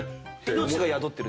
命が宿ってる？